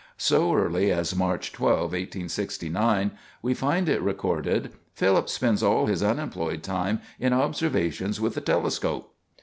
So early as March 12, 1869, we find it recorded: "Philip spends all his unemployed time in observations with the telescope."